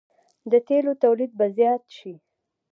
د تیلو تولید به زیات شي.